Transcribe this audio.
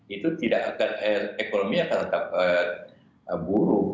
itu ekonomi akan tetap buruk